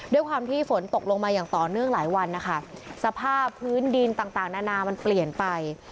ด้วยความที่ฝนตกลงมาอย่างต่อเนื่องหลายวันนะคะสภาพพื้นดินต่างต่างนานามันเปลี่ยนไป